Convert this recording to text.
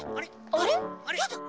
あれ？